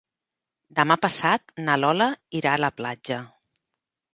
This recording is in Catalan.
Demà passat na Lola irà a la platja.